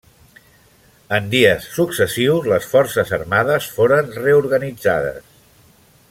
En dies successius les forces armades foren reorganitzades.